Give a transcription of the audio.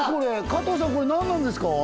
加藤さんこれ何なんですか？